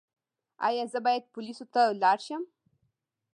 ایا زه باید پولیسو ته لاړ شم؟